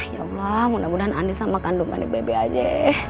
ya allah mudah mudahan andin sama kandung andin bebek aja